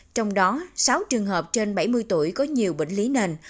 trong đó sáu trường hợp trên bảy mươi tuổi có nhiều bệnh lý nền